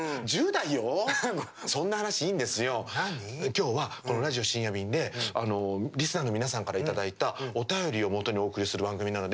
今日はこの「ラジオ深夜便」でリスナーの皆さんから頂いたお便りをもとにお送りする番組なので。